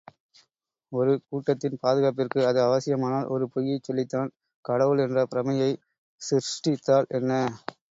ஒரு கூட்டத்தின் பாதுகாப்பிற்கு அது அவசியமானால் ஒரு பொய்யைச் சொல்லித்தான், கடவுள் என்ற பிரமையைச் சிருஷ்டித்தால் என்ன?